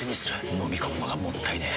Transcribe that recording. のみ込むのがもったいねえ。